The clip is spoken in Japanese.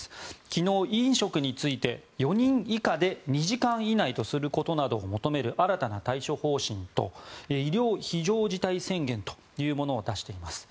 昨日、飲食について４人以下で２時間以内とすることなどを求める新たな対処方針と医療非常事態宣言というものを出しています。